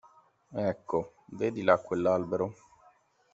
Ecco, vedi là quell'albero?